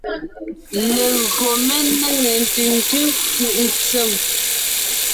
Legÿo mé nêŋe ntʉ̀ntʉ́ fʉʼ ntsèm.